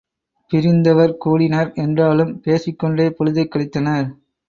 பிரிந்தவர் கூடினர் என்றாலும் பேசிக் கொண்டே பொழுதைக் கழித்தனர்.